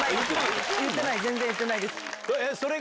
全然言ってないです。